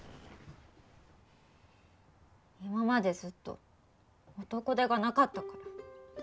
今までずっと男手がなかったから。